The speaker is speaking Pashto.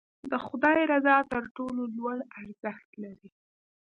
د خدای رضا تر ټولو لوړ ارزښت لري.